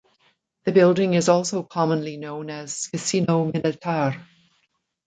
The building is also commonly known as "Casino Militar".